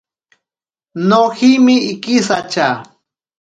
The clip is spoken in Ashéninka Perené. Nojime ikisatya.